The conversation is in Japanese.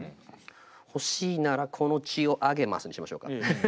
「欲しいならこの血をあげます」にしましょうか。